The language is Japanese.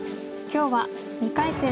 今日は２回戦